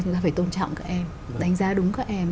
chúng ta phải tôn trọng các em đánh giá đúng các em